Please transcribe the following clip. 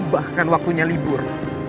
bahkan waktunya libur